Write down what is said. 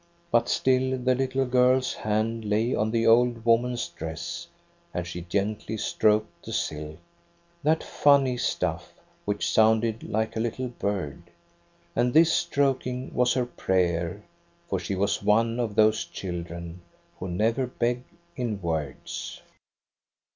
But still the little girl's hand lay on the old woman's dress. 222 THE STORY OF GOSTA BERLING. and she gently stroked the silk, — that funny stuflf which sounded like a little bird. And this stroking was her prayer, for she was one of those children who never beg in words.